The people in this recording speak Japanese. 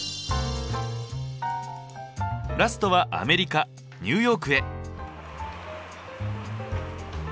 ラストはアメリカニューヨークへ。